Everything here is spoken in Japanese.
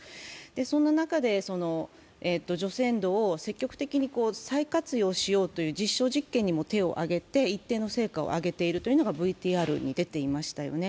そんな中で、除染土を積極的に再活用しようという実証実験にも手を上げて一定の成果をあげているというのもＶＴＲにも出ていましたよね。